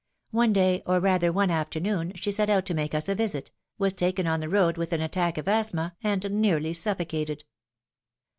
One day, or rather one afternoon, she set out to make us a visit, was taken on the road with an attack of asthma and nearly suflPocated.